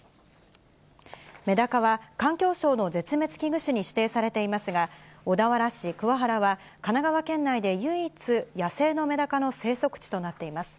メダカは、環境省の絶滅危惧種に指定されていますが、小田原市桑原は、神奈川県内で唯一、野生のメダカの生息地となっています。